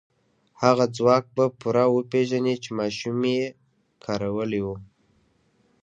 هغه ځواک به پوره وپېژنئ چې ماشومې کارولی و.